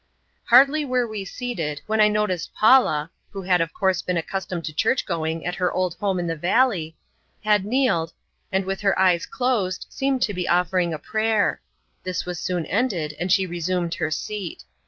Hardly were we seated when I noticed Paula (who had of course been accustomed to church going at her old home in the valley) had kneeled, and with her eyes closed seemed to be offering a prayer. This was soon ended and she resumed her seat.